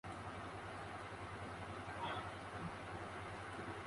Esta idea fue la de sustituir los aisladores de cerámica con plástico.